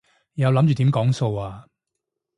又諗住點講數啊？